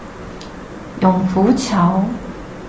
永福橋